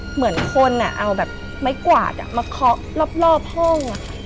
เหมือนคนเอาแบบไม้กวาดมาเคาะรอบห้อง